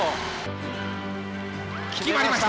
決まりました！